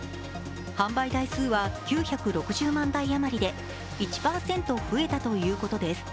販売台数は９６０万台余りで１％増えたということです。